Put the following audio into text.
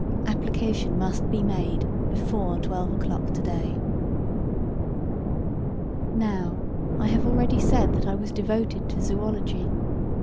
Application must be made before twelve o'clock today." Now, I have already said that I was devoted to zoology.